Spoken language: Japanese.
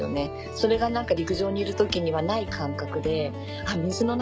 それが陸上にいる時にはない感覚で。